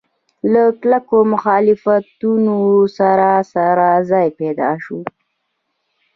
له کلکو مخالفتونو سره سره ځای پیدا شو.